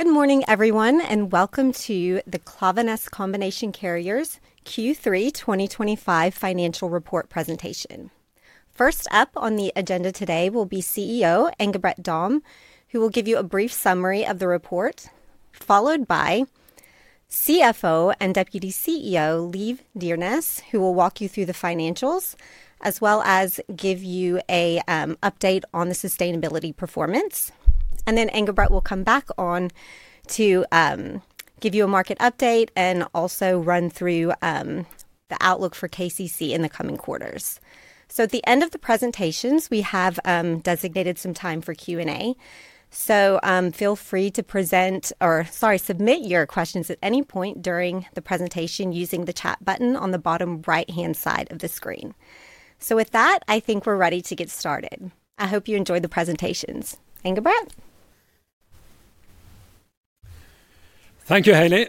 Good morning, everyone, and welcome to the Klaveness Combination Carriers Q3 2025 financial report presentation. First up on the agenda today will be CEO Engebret Dahm, who will give you a brief summary of the report, followed by CFO and Deputy CEO Liv Dyrnes, who will walk you through the financials, as well as give you an update on the sustainability performance. Engebret will come back on to give you a market update and also run through the outlook for KCC in the coming quarters. At the end of the presentations, we have designated some time for Q&A. Feel free to submit your questions at any point during the presentation using the chat button on the bottom right-hand side of the screen. With that, I think we're ready to get started. I hope you enjoy the presentations. Engebret? Thank you, Haley.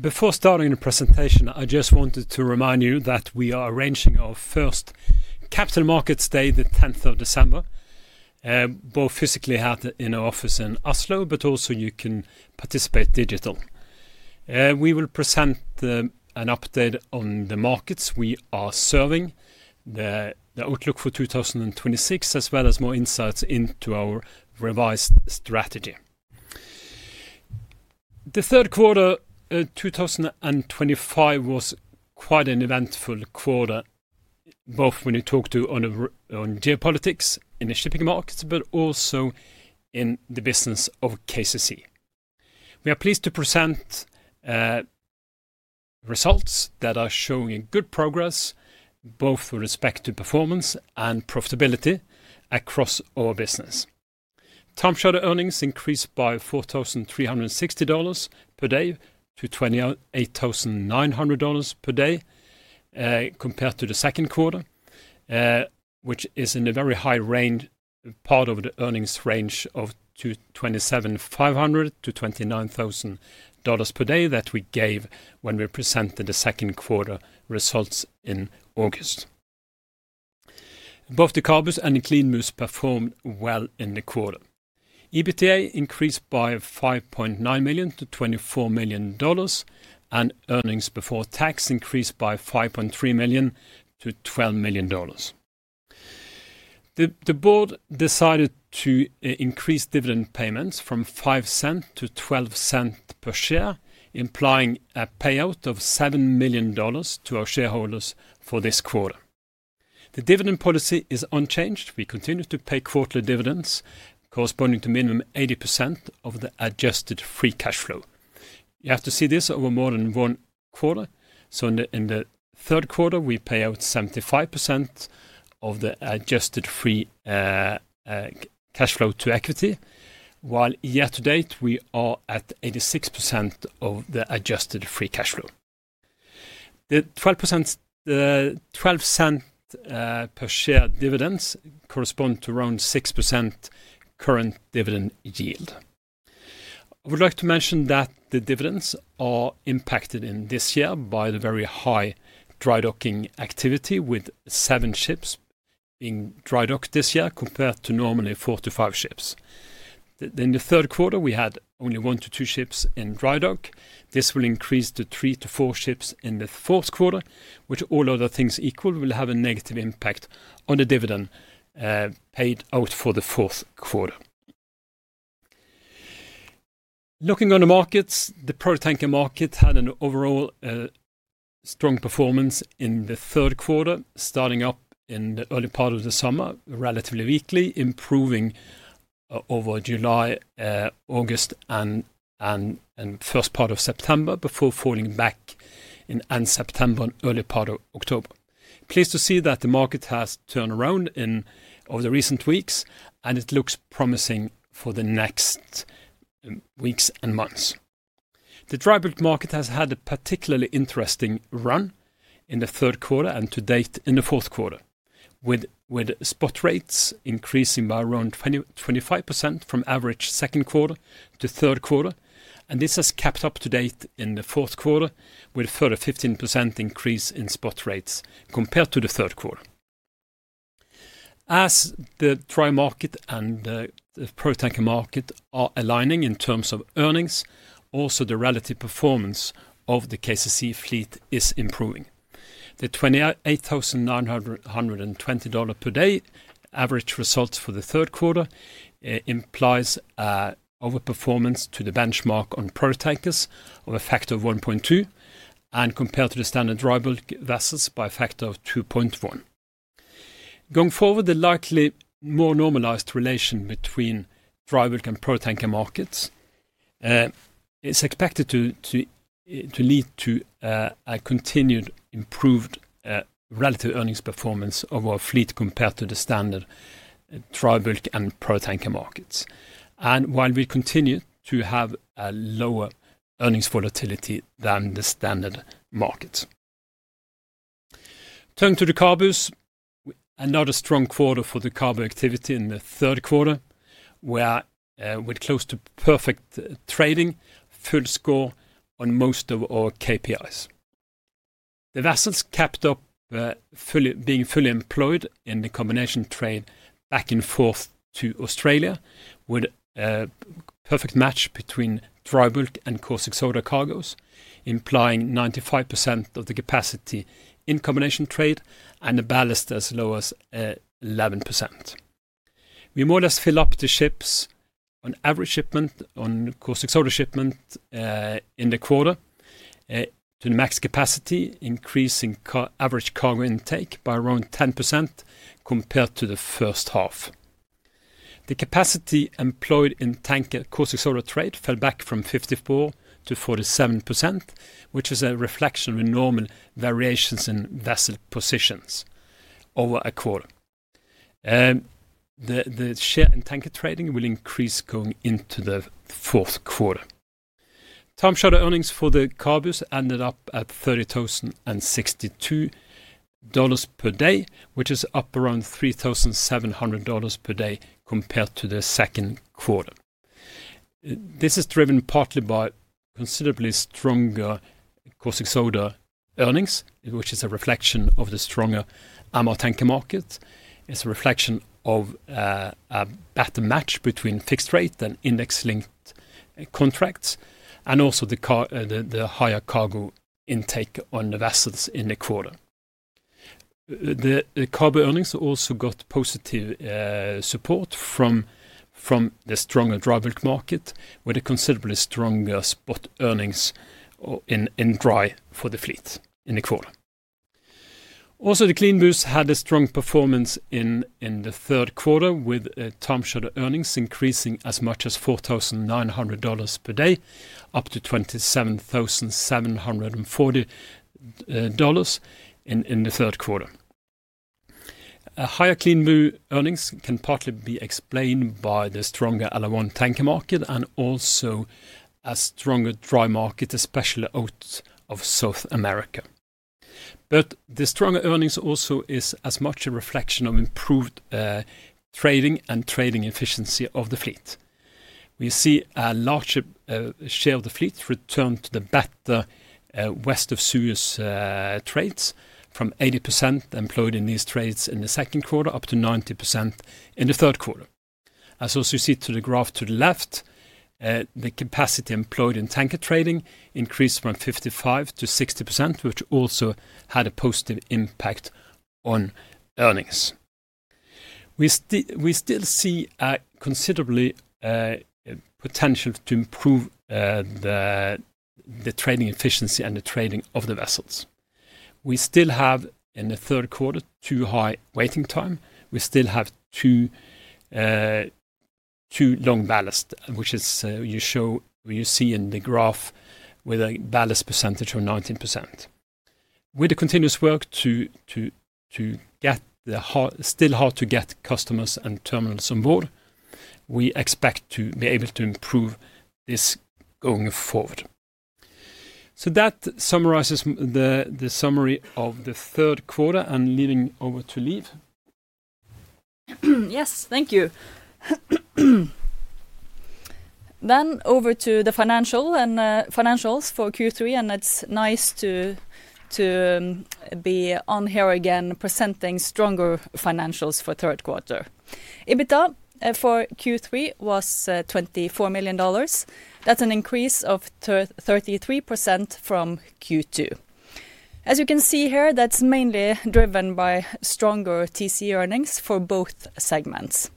Before starting the presentation, I just wanted to remind you that we are arranging our first Capital Markets Day on 10th of December, both physically in our office in Oslo, but also you can participate digitally. We will present an update on the markets we are serving, the outlook for 2026, as well as more insights into our revised strategy. The third quarter 2025 was quite an eventful quarter, both when you talk on geopolitics in the shipping markets, but also in the business of KCC. We are pleased to present results that are showing good progress, both with respect to performance and profitability across our business. Time charter earnings showed earnings increased by $4,360 per day-$28,900 per day compared to the second quarter, which is in the very high part of the earnings range of $27,500 per day-$29,000 per day that we gave when we presented the second quarter results in August. Both the CABU and the CLEANBU performed well in the quarter. EBITDA increased by $5.9 million to $24 million, and earnings before tax increased by $5.3 million to $12 million. The board decided to increase dividend payments from $0.05 to $0.12 per share, implying a payout of $7 million to our shareholders for this quarter. The dividend policy is unchanged. We continue to pay quarterly dividends corresponding to a minimum of 80% of the adjusted free cash flow. You have to see this over more than one quarter. In the third quarter, we pay out 75% of the adjusted free cash flow to equity, while year to date we are at 86% of the adjusted free cash flow. The $0.12 per share dividends correspond to around 6% current dividend yield. I would like to mention that the dividends are impacted this year by the very high dry docking activity, with seven ships being dry docked this year compared to normally four to five ships. In the third quarter, we had only one to two ships in dry dock. This will increase to three to four ships in the fourth quarter, which all other things equal will have a negative impact on the dividend paid out for the fourth quarter. Looking on the markets, the product tanker market had an overall strong performance in the third quarter, starting up in the early part of the summer relatively weakly, improving over July, August, and the first part of September before falling back in September and early part of October. Pleased to see that the market has turned around in the recent weeks, and it looks promising for the next weeks and months. The dry bulk market has had a particularly interesting run in the third quarter and to date in the fourth quarter, with spot rates increasing by around 25% from average second quarter to third quarter. This has kept up to date in the fourth quarter with a further 15% increase in spot rates compared to the third quarter. As the dry market and the product tanker market are aligning in terms of earnings, also the relative performance of the KCC fleet is improving. The $28,920 per day average results for the third quarter implies overperformance to the benchmark on product tankers of a factor of 1.2 and compared to the standard dry bulk vessels by a factor of 2.1. Going forward, the likely more normalized relation between dry bulk and product tanker markets is expected to lead to a continued improved relative earnings performance of our fleet compared to the standard dry bulk and product tanker markets, while we continue to have a lower earnings volatility than the standard markets. Turning to the CABUs, another strong quarter for the CABU activity in the third quarter, with close to perfect trading, full score on most of our KPIs. The vessels kept up being fully employed in the combination trade back and forth to Australia with a perfect match between dry bulk and caustic soda cargoes, implying 95% of the capacity in combination trade and the ballast as low as 11%. We more or less fill up the ships on average shipment on caustic soda shipment in the quarter to the max capacity, increasing average cargo intake by around 10% compared to the first half. The capacity employed in tanker caustic soda trade fell back from 54% to 47%, which is a reflection of the normal variations in vessel positions over a quarter. The share in tanker trading will increase going into the fourth quarter. TCE showed earnings for the CABUs ended up at $30,062 per day, which is up around $3,700 per day compared to the second quarter. This is driven partly by considerably stronger caustic soda earnings, which is a reflection of the stronger MR tanker market. It is a reflection of a better match between fixed rate and index-linked contracts, and also the higher cargo intake on the vessels in the quarter. The CABU earnings also got positive support from the stronger dry bulk market with a considerably stronger spot earnings in dry for the fleet in the quarter. Also, the CLEANBU combination carriers had a strong performance in the third quarter with time charter earnings showed earnings increasing as much as $4,900 per day, up to $27,740 in the third quarter. Higher CLEANBU earnings can partly be explained by the stronger LR1 tanker market and also a stronger dry market, especially out of South America. The stronger earnings also are as much a reflection of improved trading and trading efficiency of the fleet. We see a larger share of the fleet returned to the better west of Suez trades from 80% employed in these trades in the second quarter up to 90% in the third quarter. As you see to the graph to the left, the capacity employed in tanker trading increased from 55%-60%, which also had a positive impact on earnings. We still see a considerable potential to improve the trading efficiency and the trading of the vessels. We still have in the third quarter too high waiting time. We still have too long ballast, which you see in the graph with a ballast percentage of 19%. With the continuous work to get the still hard to get customers and terminals on board, we expect to be able to improve this going forward. That summarizes the summary of the third quarter and leaving over to Liv. Yes, thank you. Then over to the financials for Q3, and it's nice to be on here again presenting stronger financials for third quarter. EBITDA for Q3 was $24 million. That's an increase of 33% from Q2. As you can see here, that's mainly driven by stronger TCE earnings for both segments.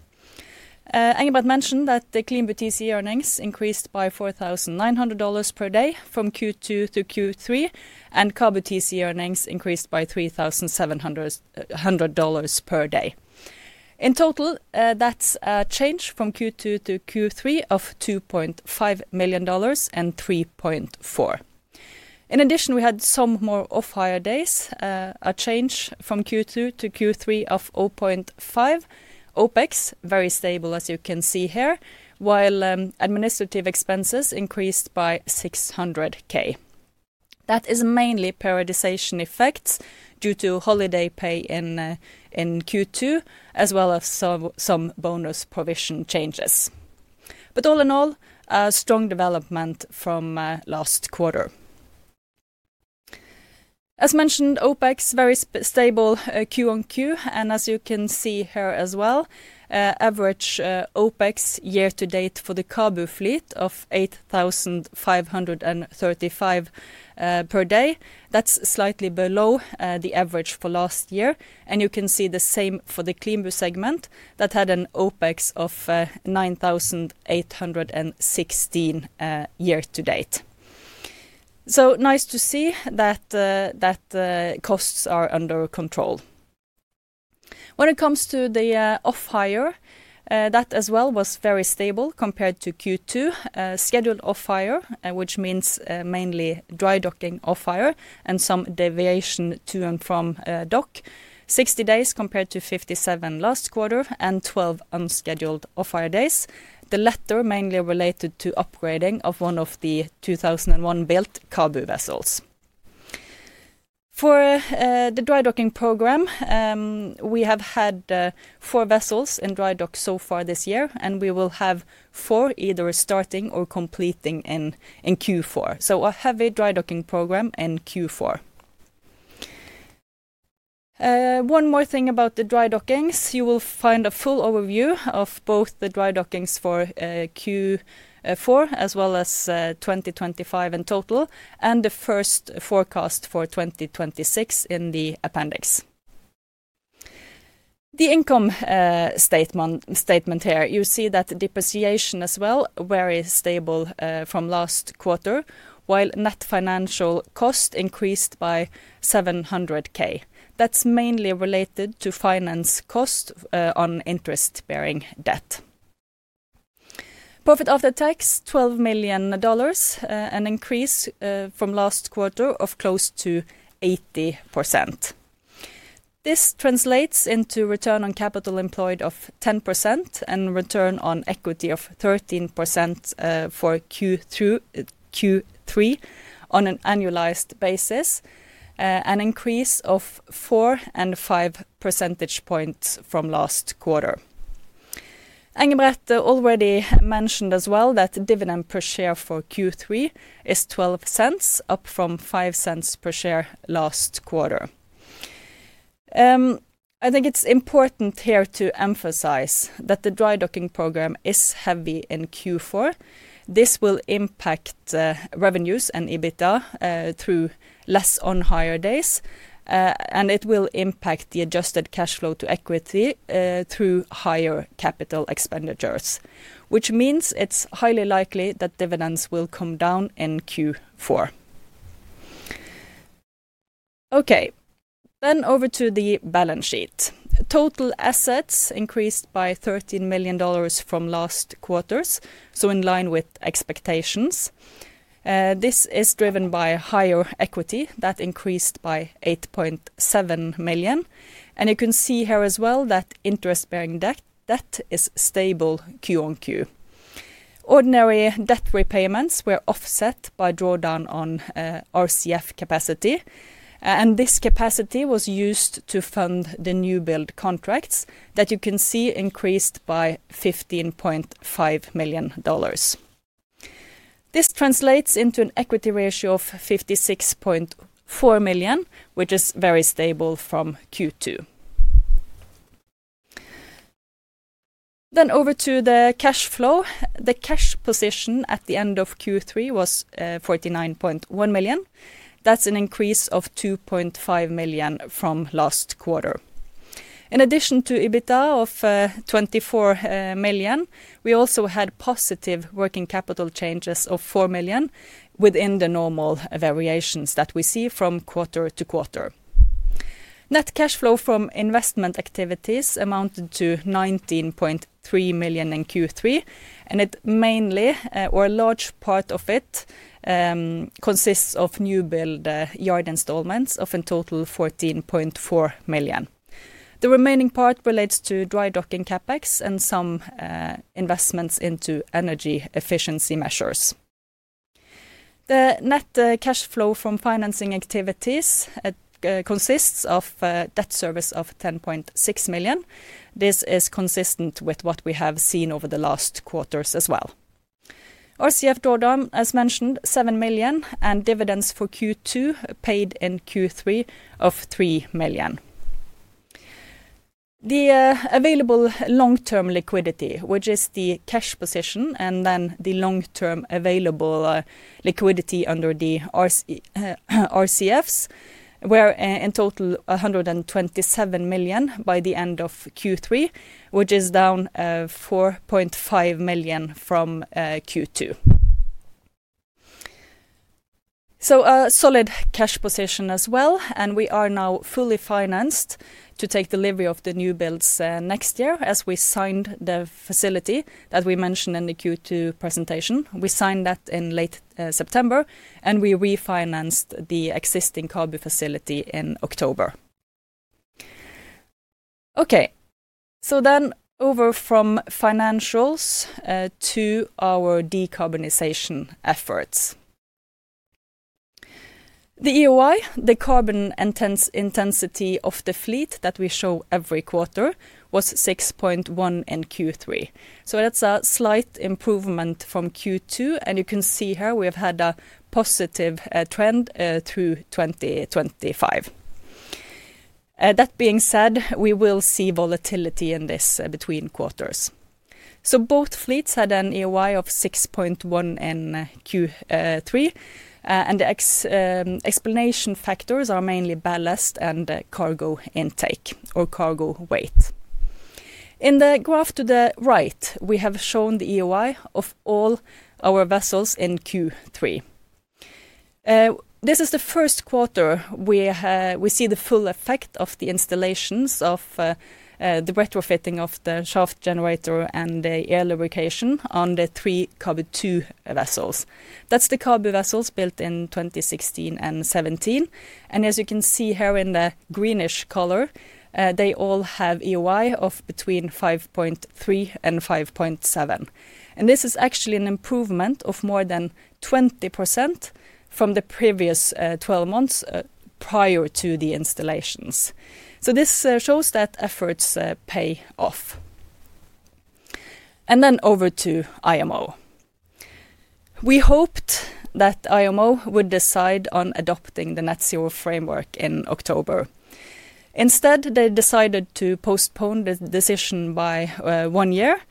I'm about to mention that the CLEANBU TCE earnings increased by $4,900 per day from Q2 to Q3, and CABU TCE earnings increased by $3,700 per day. In total, that's a change from Q2 to Q3 of $2.5 million and $3.4 million. In addition, we had some more off-hire days, a change from Q2 to Q3 of $0.5 million. OpEx, very stable as you can see here, while administrative expenses increased by $600,000. That is mainly periodization effects due to holiday pay in Q2, as well as some bonus provision changes. All in all, strong development from last quarter. As mentioned, OpEx is very stable Q on Q, and as you can see here as well, average OpEx year to date for the CABU fleet of $8,535 per day. That's slightly below the average for last year, and you can see the same for the CLEANBU segment that had an OpEx of $9,816 year to date. Nice to see that costs are under control. When it comes to the off-hire, that as well was very stable compared to Q2. Scheduled off-hire, which means mainly dry docking off-hire and some deviation to and from dock, 60 days compared to 57 last quarter and 12 unscheduled off-hire days. The latter mainly related to upgrading of one of the 2001 built CABU vessels. For the dry docking program, we have had four vessels in dry dock so far this year, and we will have four either starting or completing in Q4. A heavy dry docking program in Q4. One more thing about the dry dockings, you will find a full overview of both the dry dockings for Q4 as well as 2025 in total, and the first forecast for 2026 in the appendix. The income statement here, you see that depreciation as well is very stable from last quarter, while net financial cost increased by $700,000. That's mainly related to finance cost on interest-bearing debt. Profit after tax, $12 million, an increase from last quarter of close to 80%. This translates into return on capital employed of 10% and return on equity of 13% for Q3 on an annualized basis, an increase of 4 and 5 percentage points from last quarter. Engebret already mentioned as well that dividend per share for Q3 is $0.12, up from $0.05 per share last quarter. I think it's important here to emphasize that the dry docking program is heavy in Q4. This will impact revenues and EBITDA through less on-hire days, and it will impact the adjusted cash flow to equity through higher capital expenditures, which means it's highly likely that dividends will come down in Q4. Over to the balance sheet. Total assets increased by $13 million from last quarter, so in line with expectations. This is driven by higher equity that increased by $8.7 million, and you can see here as well that interest-bearing debt is stable Q on Q. Ordinary debt repayments were offset by drawdown on RCF capacity, and this capacity was used to fund the newbuild contracts that you can see increased by $15.5 million. This translates into an equity ratio of $56.4 million, which is very stable from Q2. Over to the cash flow, the cash position at the end of Q3 was $49.1 million. That's an increase of $2.5 million from last quarter. In addition to EBITDA of $24 million, we also had positive working capital changes of $4 million within the normal variations that we see from quarter to quarter. Net cash flow from investment activities amounted to $19.3 million in Q3, and it mainly, or a large part of it, consists of newbuild yard installments, of in total $14.4 million. The remaining part relates to dry docking CapEx and some investments into energy efficiency measures. The net cash flow from financing activities consists of debt service of $10.6 million. This is consistent with what we have seen over the last quarters as well. RCF drawdown, as mentioned, $7 million, and dividends for Q2 paid in Q3 of $3 million. The available long-term liquidity, which is the cash position, and then the long-term available liquidity under the RCFs, were in total $127 million by the end of Q3, which is down $4.5 million from Q2. A solid cash position as well, and we are now fully financed to take delivery of the newbuilds next year as we signed the facility that we mentioned in the Q2 presentation. We signed that in late September, and we refinanced the existing carbo facility in October. Over from financials to our decarbonization efforts. The EOI, the carbon intensity of the fleet that we show every quarter, was 6.1 in Q3. That's a slight improvement from Q2, and you can see here we have had a positive trend through 2025. That being said, we will see volatility in this between quarters. Both fleets had an EOI of 6.1 in Q3, and the explanation factors are mainly ballast and cargo intake or cargo weight. In the graph to the right, we have shown the EOI of all our vessels in Q3. This is the first quarter we see the full effect of the installations of the retrofitting of the shaft generator and the air lubrication on the three CABU vessels. That's the CABU vessels built in 2016 and 2017. As you can see here in the greenish color, they all have EOI of between 5.3 and 5.7. This is actually an improvement of more than 20% from the previous 12 months prior to the installations. This shows that efforts pay off. Over to the IMO. We hoped that IMO would decide on adopting the net zero framework in October. Instead, they decided to postpone the decision by one year.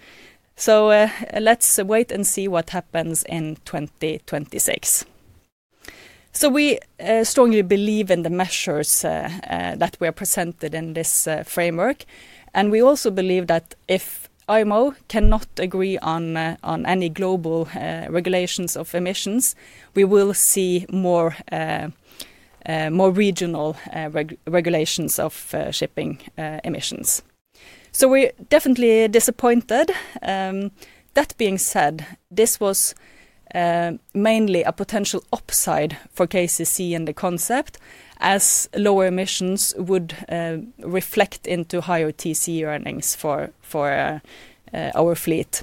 Let's wait and see what happens in 2026. We strongly believe in the measures that are presented in this framework. We also believe that if IMO cannot agree on any global regulations of emissions, we will see more regional regulations of shipping emissions. We're definitely disappointed. That being said, this was mainly a potential upside for KCC in the concept, as lower emissions would reflect into higher TCE earnings for our fleet.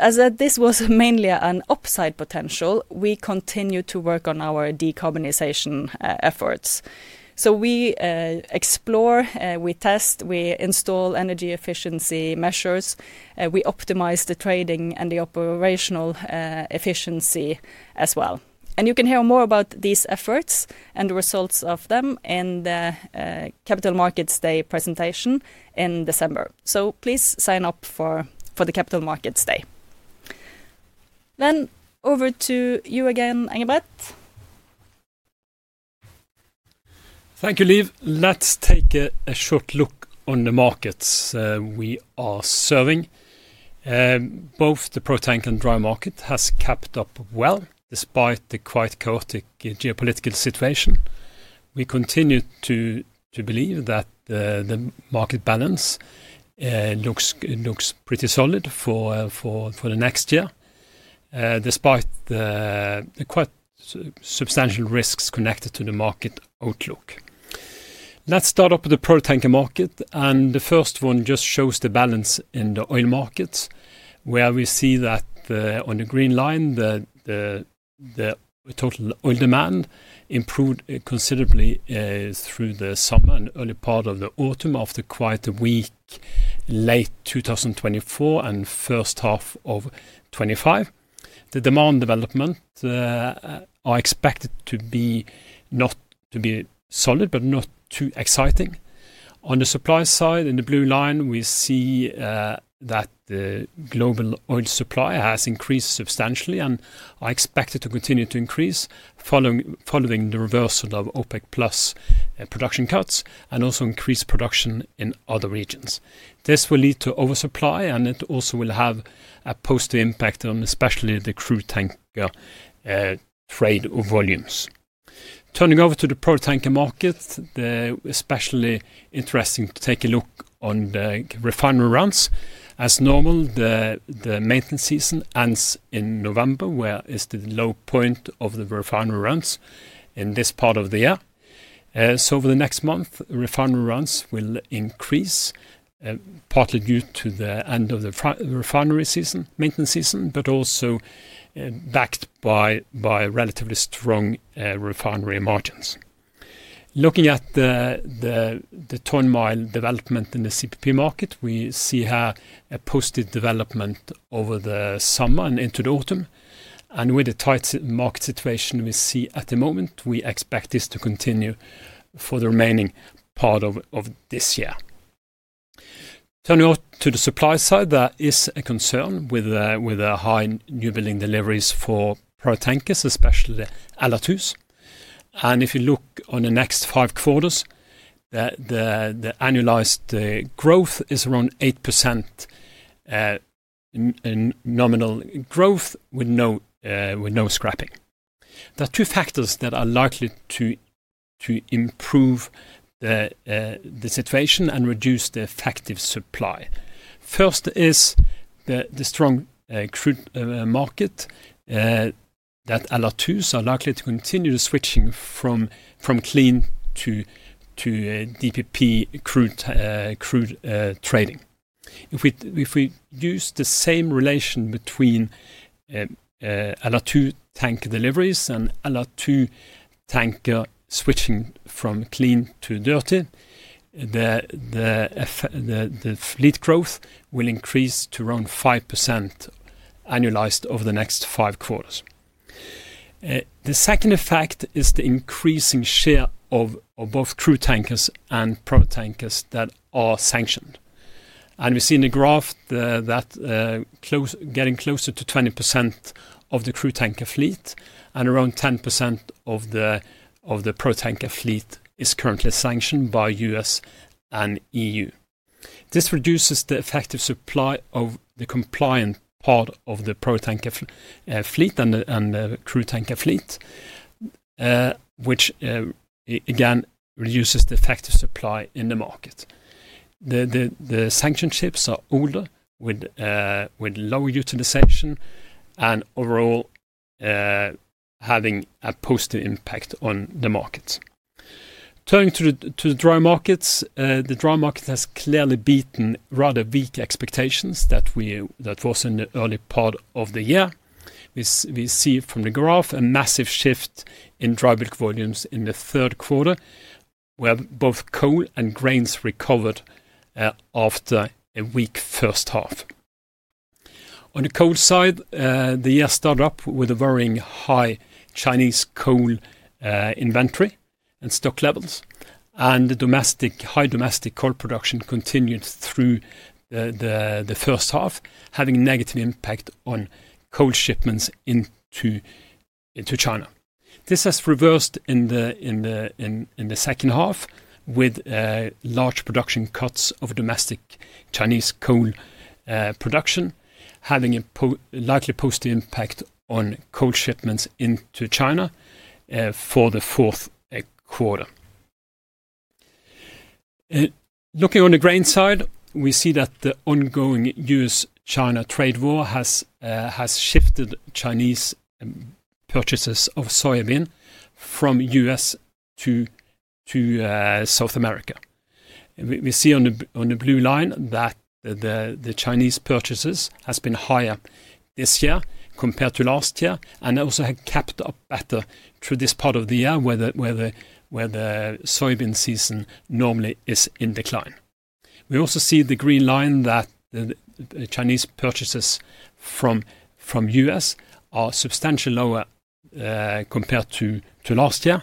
As this was mainly an upside potential, we continue to work on our decarbonization efforts. We explore, we test, we install energy efficiency measures, we optimize the trading and the operational efficiency as well. You can hear more about these efforts and the results of them in the Capital Markets Day presentation in December. Please sign up for the Capital Markets Day. Over to you again, Engebret. Thank you, Liv. Let's take a short look on the markets we are serving. Both the product tanker and dry market have kept up well, despite the quite chaotic geopolitical situation. We continue to believe that the market balance looks pretty solid for the next year, despite the quite substantial risks connected to the market outlook. Let's start up with the product tanker market. The first one just shows the balance in the oil markets, where we see that on the green line, the total oil demand improved considerably through the summer and early part of the autumn of the quite weak late 2024 and first half of 2025. The demand development is expected to be not too solid, but not too exciting. On the supply side, in the blue line, we see that the global oil supply has increased substantially and is expected to continue to increase following the reversal of OPEC+ production cuts and also increased production in other regions. This will lead to oversupply, and it also will have a positive impact on especially the crude tanker trade volumes. Turning over to the product tanker market, it's especially interesting to take a look on the refinery runs. As normal, the maintenance season ends in November, where it's the low point of the refinery runs in this part of the year. Over the next month, refinery runs will increase, partly due to the end of the maintenance season, but also backed by relatively strong refinery margins. Looking at the ton mile development in the CPP market, we see here a positive development over the summer and into the autumn. With the tight market situation we see at the moment, we expect this to continue for the remaining part of this year. Turning out to the supply side, there is a concern with the high newbuild deliveries for product tankers, especially LR2s. If you look on the next five quarters, the annualized growth is around 8% in nominal growth with no scrapping. There are two factors that are likely to improve the situation and reduce the effective supply. First is the strong crude market, that LR2s are likely to continue the switching from clean to DPP crude trading. If we use the same relation between LR2 tanker deliveries and LR2 tanker switching from clean to dirty, the fleet growth will increase to around 5% annualized over the next five quarters. The second effect is the increasing share of both crude tankers and product tankers that are sanctioned. We see in the graph that getting closer to 20% of the crude tanker fleet and around 10% of the product tanker fleet is currently sanctioned by U.S. and EU. This reduces the effective supply of the compliant part of the product tanker fleet and the crude tanker fleet, which again reduces the effective supply in the market. The sanctioned ships are older with lower utilization and overall having a positive impact on the markets. Turning to the dry markets, the dry market has clearly beaten rather weak expectations that were in the early part of the year. We see from the graph a massive shift in dry build volumes in the third quarter, where both coal and grains recovered after a weak first half. On the coal side, the year started up with a worrying high Chinese coal inventory and stock levels, and the high domestic coal production continued through the first half, having a negative impact on coal shipments into China. This has reversed in the second half with large production cuts of domestic Chinese coal production, having a likely positive impact on coal shipments into China for the fourth quarter. Looking on the grain side, we see that the ongoing U.S.-China trade war has shifted Chinese purchases of soybean from U.S. to South America. We see on the blue line that the Chinese purchases have been higher this year compared to last year, and they also have kept up better through this part of the year where the soybean season normally is in decline. We also see the green line that the Chinese purchases from U.S. are substantially lower compared to last year.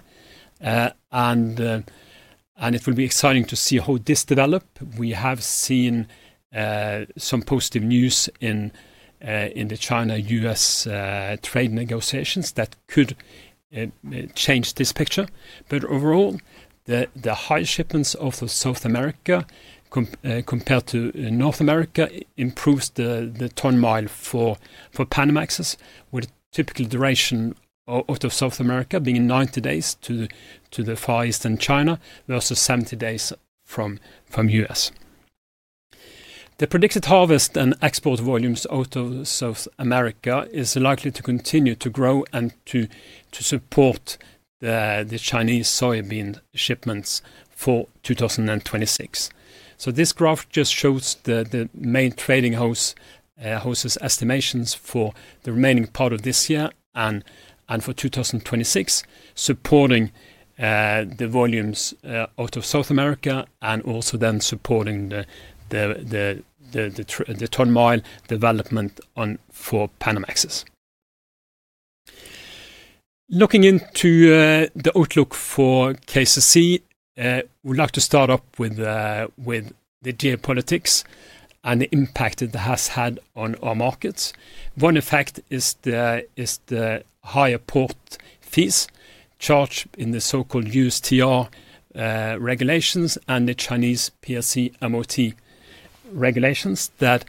It will be exciting to see how this develops. We have seen some positive news in the China-U.S. trade negotiations that could change this picture. Overall, the high shipments off of South America compared to North America improves the ton mile for Panamaxes, with a typical duration of South America being 90 days to the Far Eastern China versus 70 days from U.S. The predicted harvest and export volumes out of South America are likely to continue to grow and to support the Chinese soybean shipments for 2026. This graph just shows the main trading houses' estimations for the remaining part of this year and for 2026, supporting the volumes out of South America and also then supporting the ton mile development for Panamaxes. Looking into the outlook for KCC, we'd like to start up with the geopolitics and the impact it has had on our markets. One effect is the higher port fees charged in the so-called USTR regulations and the Chinese PLC MOT regulations that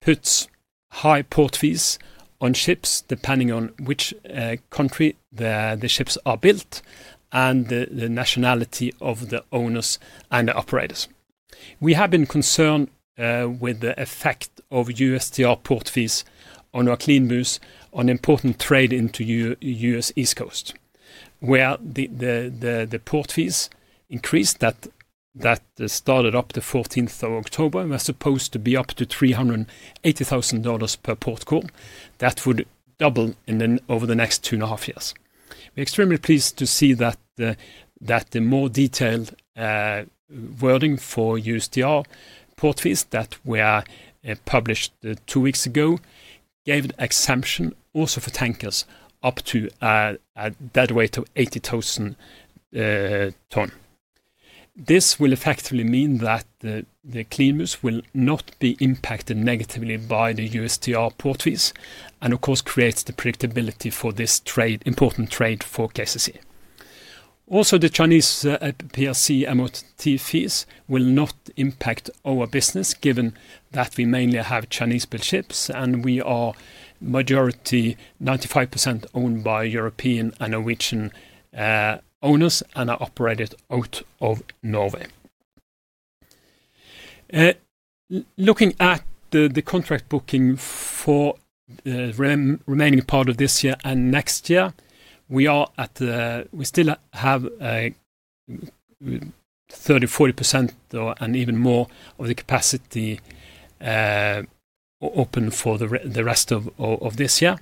put high port fees on ships depending on which country the ships are built and the nationality of the owners and the operators. We have been concerned with the effect of USTR port fees on our CLEANBUs on important trade into U.S. East Coast, where the port fees increased that started up the 14th of October and were supposed to be up to $380,000 per port call. That would double over the next two and a half years. We're extremely pleased to see that the more detailed wording for USTR port fees that were published two weeks ago gave an exemption also for tankers up to a deadweight of 80,000 ton. This will effectively mean that the CLEANBUs will not be impacted negatively by the USTR port fees and, of course, creates the predictability for this important trade for KCC. Also, the Chinese PLC MOT fees will not impact our business given that we mainly have Chinese-built ships and we are a majority, 95% owned by European and Norwegian owners and are operated out of Norway. Looking at the contract booking for the remaining part of this year and next year, we still have 30%, 40% and even more of the capacity open for the rest of this year.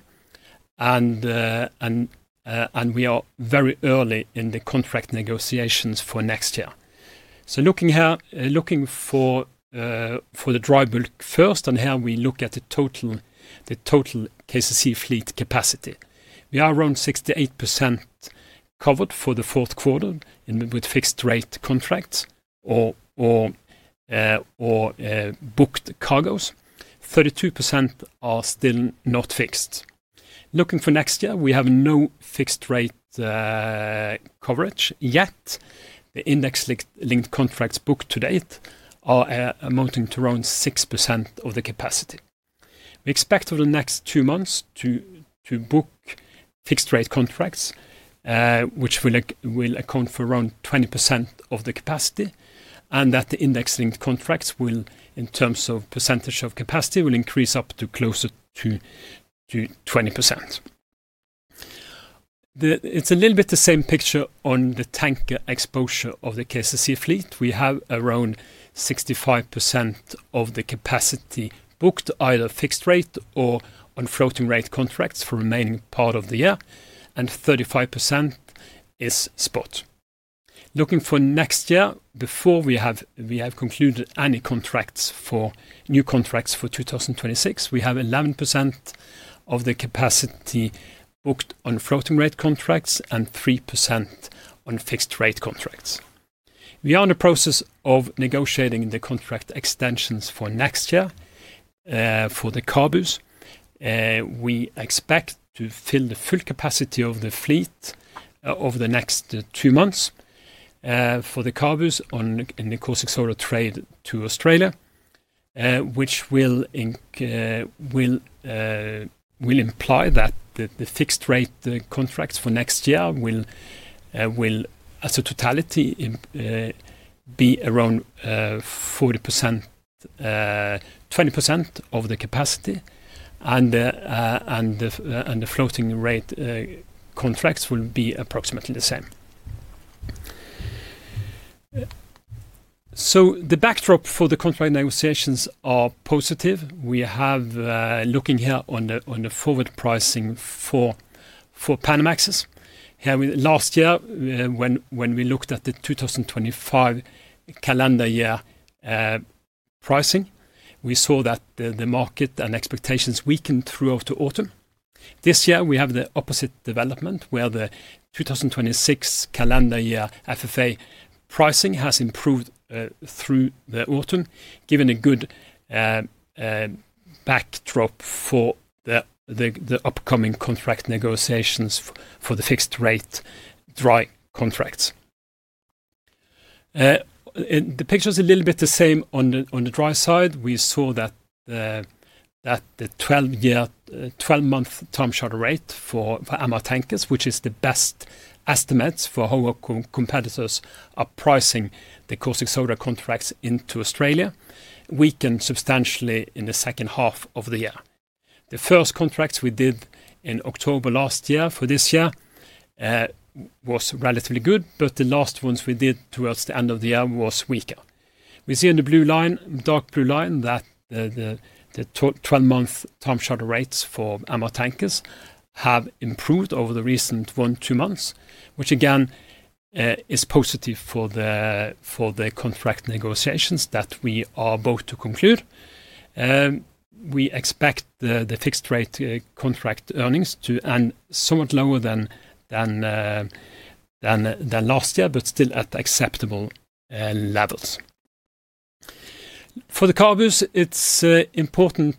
We are very early in the contract negotiations for next year. Looking for the dry bulk first, and here we look at the total KCC fleet capacity. We are around 68% covered for the fourth quarter with fixed rate contracts or booked cargoes. 32% are still not fixed. Looking for next year, we have no fixed rate coverage yet. The index-linked contracts booked to date are amounting to around 6% of the capacity. We expect over the next two months to book fixed rate contracts, which will account for around 20% of the capacity, and that the index-linked contracts will, in terms of percentage of capacity, increase up to closer to 20%. It's a little bit the same picture on the tanker exposure of the KCC fleet. We have around 65% of the capacity booked either fixed rate or on floating rate contracts for the remaining part of the year, and 35% is spot. Looking for next year, before we have concluded any contracts for new contracts for 2026, we have 11% of the capacity booked on floating rate contracts and 3% on fixed rate contracts. We are in the process of negotiating the contract extensions for next year for the CABUs. We expect to fill the full capacity of the fleet over the next two months for the CABUs in the caustic soda trade to Australia, which will imply that the fixed rate contracts for next year will, as a totality, be around 20% of the capacity, and the floating rate contracts will be approximately the same. The backdrop for the contract negotiations is positive. We have been looking here on the forward pricing for Panamaxes. Last year, when we looked at the 2025 calendar year pricing, we saw that the market and expectations weakened throughout the autumn. This year, we have the opposite development where the 2026 calendar year FFA pricing has improved through the autumn, giving a good backdrop for the upcoming contract negotiations for the fixed rate dry contracts. The picture is a little bit the same on the dry side. We saw that the 12-month time charter rate for MR tankers, which is the best estimate for how our competitors are pricing the caustic soda contracts into Australia, weakened substantially in the second half of the year. The first contracts we did in October last year for this year were relatively good, but the last ones we did towards the end of the year were weaker. We see in the blue line, the dark blue line, that the 12-month time charter rates for MR tankers have improved over the recent one to two months, which again is positive for the contract negotiations that we are about to conclude. We expect the fixed rate contract earnings to end somewhat lower than last year, but still at acceptable levels. For the CABUs, it's important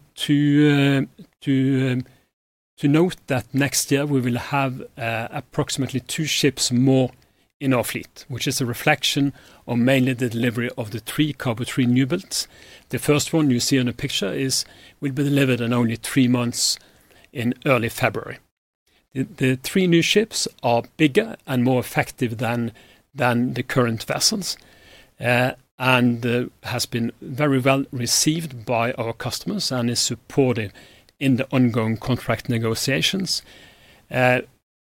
to note that next year we will have approximately two ships more in our fleet, which is a reflection of mainly the delivery of the three CABU newbuilds. The first one you see in the picture will be delivered in only three months in early February. The three new ships are bigger and more effective than the current vessels and have been very well received by our customers and are supported in the ongoing contract negotiations,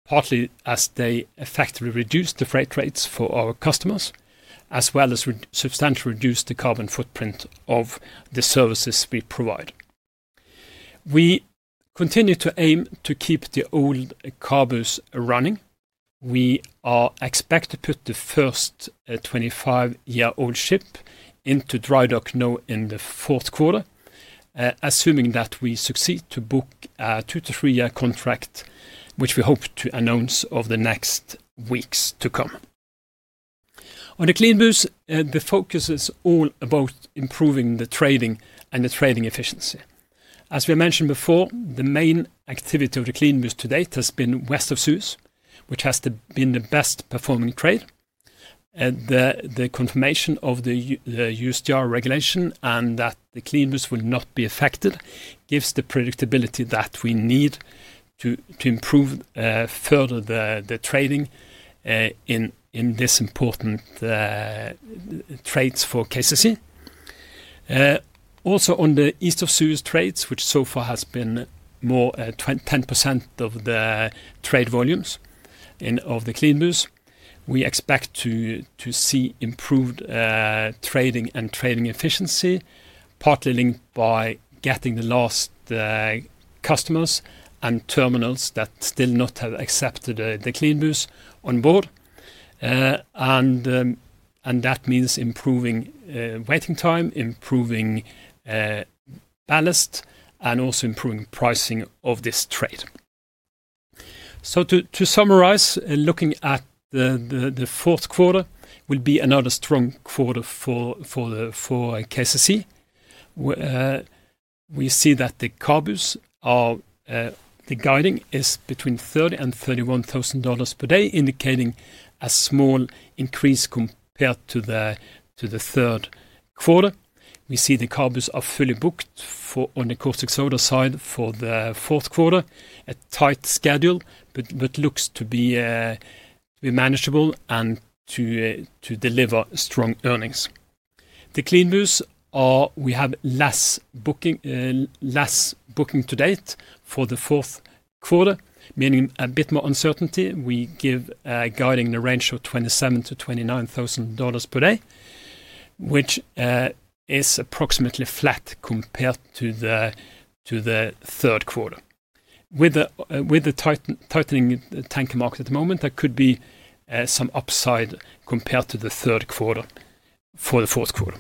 partly as they effectively reduce the freight rates for our customers, as well as substantially reduce the carbon footprint of the services we provide. We continue to aim to keep the old CABUs running. We expect to put the first 25-year-old ship into dry dock now in the fourth quarter, assuming that we succeed to book a two to three-year contract, which we hope to announce over the next weeks to come. On the CLEANBU vessels, the focus is all about improving the trading and the trading efficiency. As we mentioned before, the main activity of the CLEANBU to date has been west of Suez, which has been the best performing trade. The confirmation of the USTR regulation and that the CLEANBU vessels will not be affected gives the predictability that we need to improve further the trading in this important trade for KCC. Also, on the east of Suez trades, which so far has been more 10% of the trade volumes of the CLEANBU vessels, we expect to see improved trading and trading efficiency, partly linked by getting the last customers and terminals that still have not accepted the CLEANBU vessels on board. That means improving waiting time, improving ballast, and also improving pricing of this trade. To summarize, looking at the fourth quarter will be another strong quarter for KCC. We see that the CABU vessels are guiding between $30,000 and $31,000 per day, indicating a small increase compared to the third quarter. We see the CABU vessels are fully booked on the caustic soda side for the fourth quarter, a tight schedule, but looks to be manageable and to deliver strong earnings. The CLEANBU vessels, we have less booking to date for the fourth quarter, meaning a bit more uncertainty. We give a guiding in the range of $27,000-$29,000 per day, which is approximately flat compared to the third quarter. With the tightening tanker market at the moment, there could be some upside compared to the third quarter for the fourth quarter.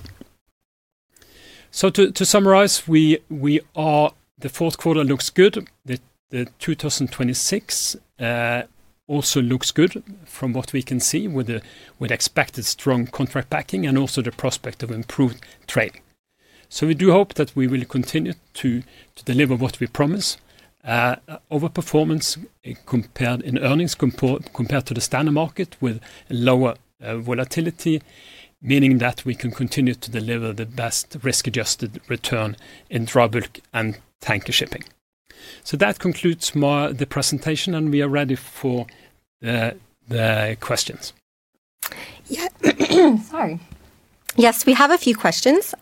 To summarize, the fourth quarter looks good. The 2026 also looks good from what we can see with expected strong contract packing and also the prospect of improved trade. We do hope that we will continue to deliver what we promise. Overperformance in earnings compared to the standard market with lower volatility, meaning that we can continue to deliver the best risk-adjusted return in dry bulk and tanker shipping. That concludes the presentation, and we are ready for the questions. Yes, we have a few questions.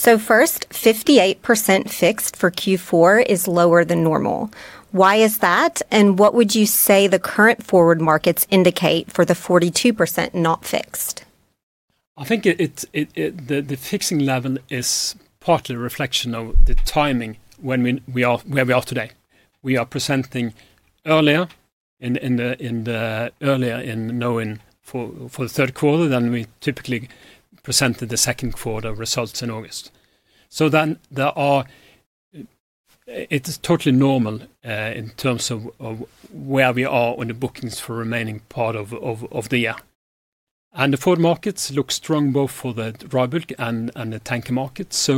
First, 58% fixed for Q4 is lower than normal. Why is that? What would you say the current forward markets indicate for the 42% not fixed? I think the fixing level is partly a reflection of the timing where we are today. We are presenting earlier in knowing for the third quarter than we typically presented the second quarter results in August. It is totally normal in terms of where we are on the bookings for the remaining part of the year. The forward markets look strong both for the dry bulk and the tanker markets.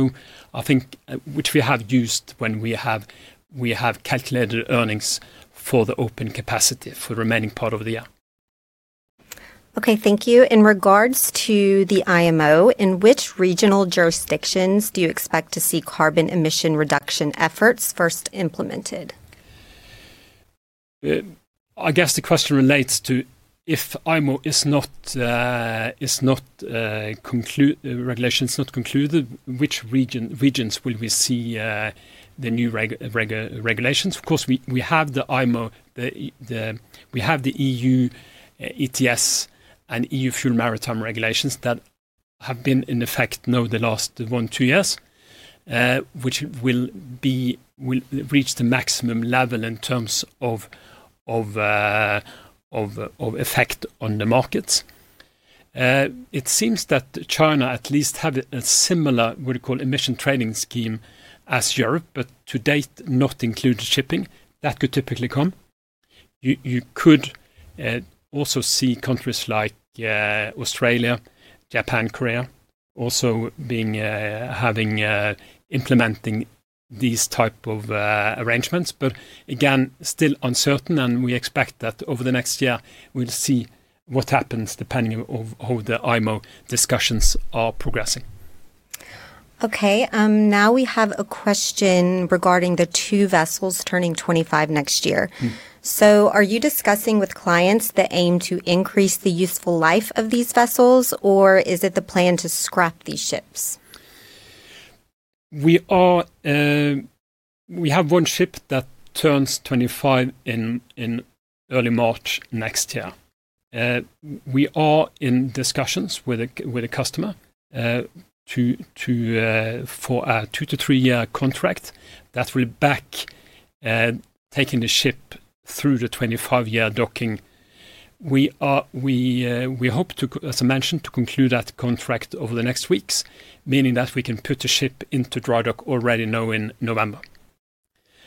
I think which we have used when we have calculated earnings for the open capacity for the remaining part of the year. Okay, thank you. In regards to the IMO, in which regional jurisdictions do you expect to see carbon emission reduction efforts first implemented? I guess the question relates to if IMO regulations are not concluded, which regions will we see the new regulations? Of course, we have the IMO, we have the EU ETS and EU fuel maritime regulations that have been in effect now the last one, two years, which will reach the maximum level in terms of effect on the markets. It seems that China at least has a similar, what we call, emission trading scheme as Europe, but to date not included shipping. That could typically come. You could also see countries like Australia, Japan, Korea also having implemented these types of arrangements, but again, still uncertain. We expect that over the next year, we'll see what happens depending on how the IMO discussions are progressing. Okay, now we have a question regarding the two vessels turning 25 next year. Are you discussing with clients that aim to increase the useful life of these vessels, or is it the plan to scrap these ships? We have one ship that turns 25 in early March next year. We are in discussions with a customer for a two to three-year contract that will back taking the ship through the 25-year docking. We hope to, as I mentioned, to conclude that contract over the next weeks, meaning that we can put the ship into dry dock already now in November.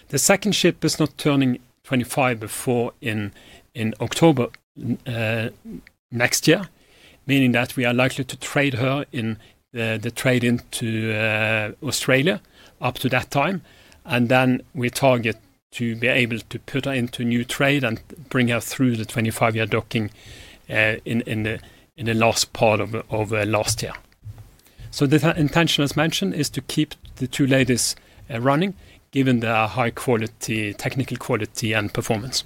The second ship is not turning 25 before in October next year, meaning that we are likely to trade her in the trade into Australia up to that time. We target to be able to put her into a new trade and bring her through the 25-year docking in the last part of next year. The intention, as mentioned, is to keep the two ladies running given the high quality, technical quality, and performance.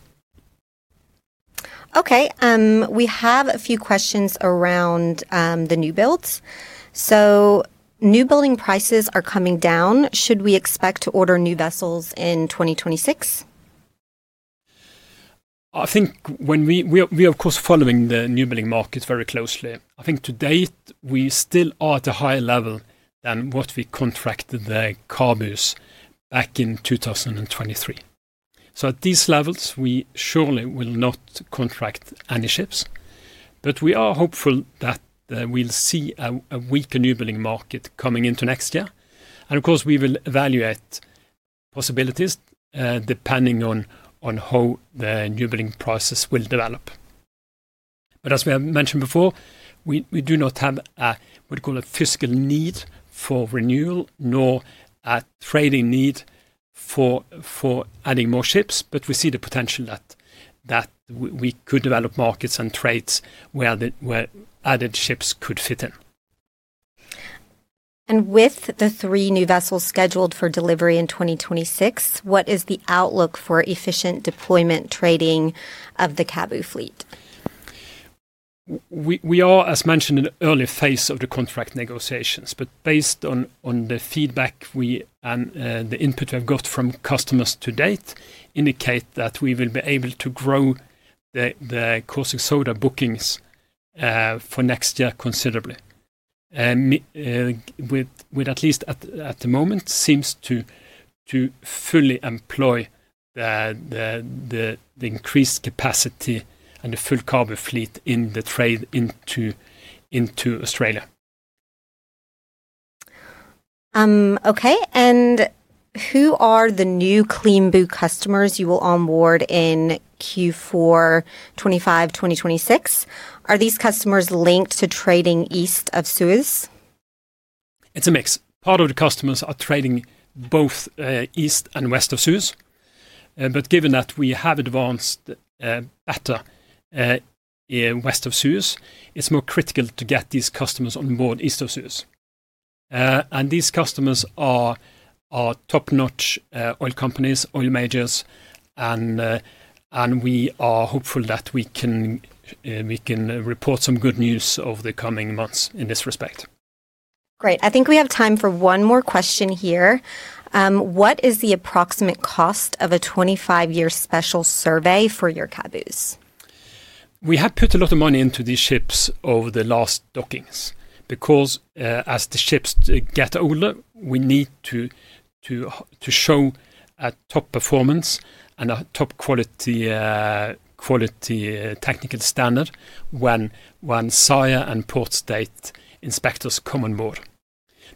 Okay, we have a few questions around the newbuilds. Newbuilding prices are coming down. Should we expect to order new vessels in 2026? I think when we, of course, are following the newbuilding markets very closely, I think to date we still are at a higher level than what we contracted the CABUs back in 2023. At these levels, we surely will not contract any ships. We are hopeful that we'll see a weaker newbuilding market coming into next year. We will evaluate possibilities depending on how the newbuilding prices will develop. As we have mentioned before, we do not have what we call a fiscal need for renewal nor a trading need for adding more ships, but we see the potential that we could develop markets and trades where added ships could fit in. With the three new vessels scheduled for delivery in 2026, what is the outlook for efficient deployment trading of the CABU fleet? We are, as mentioned, in the early phase of the contract negotiations, but based on the feedback and the input we have got from customers to date, indicate that we will be able to grow the caustic soda bookings for next year considerably. At least at the moment, it seems to fully employ the increased capacity and the full CABU fleet in the trade into Australia. Okay, and who are the new CLEANBU customers you will onboard in Q4 2025, 2026? Are these customers linked to trading east of Suez? It's a mix. Part of the customers are trading both east and west of Suez, but given that we have advanced better west of Suez, it's more critical to get these customers on board east of Suez. These customers are top-notch oil companies, oil majors, and we are hopeful that we can report some good news over the coming months in this respect. Great. I think we have time for one more question here. What is the approximate cost of a 25-year special survey for your CABUs? We have put a lot of money into these ships over the last dockings because as the ships get older, we need to show a top performance and a top quality technical standard when SAIA and Port State inspectors come on board.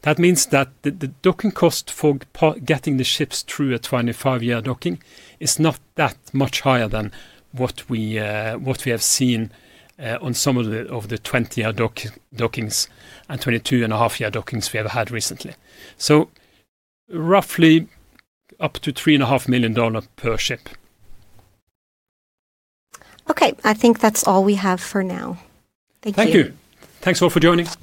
That means that the docking cost for getting the ships through a 25-year docking is not that much higher than what we have seen on some of the 20-year dockings and 22.5-year dockings we have had recently. Roughly up to $3.5 million per ship. Okay, I think that's all we have for now. Thank you. Thank you. Thanks all for joining.